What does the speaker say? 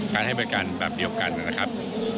ให้บริการแบบเดียวกันนะครับ